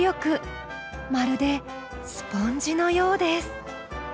まるでスポンジのようです。